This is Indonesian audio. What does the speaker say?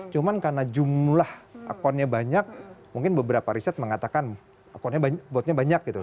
cuman karena jumlah accountnya banyak mungkin beberapa riset mengatakan accountnya banyak gitu